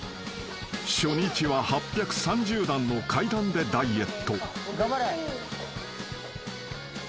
［初日は８３０段の階段でダイエット］